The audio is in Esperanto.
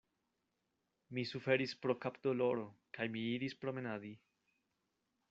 Mi suferis pro kapdoloro, kaj mi iris promenadi.